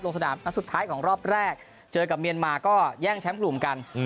สนามนัดสุดท้ายของรอบแรกเจอกับเมียนมาก็แย่งแชมป์กลุ่มกัน